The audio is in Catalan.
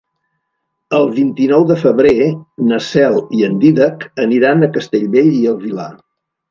El vint-i-nou de febrer na Cel i en Dídac aniran a Castellbell i el Vilar.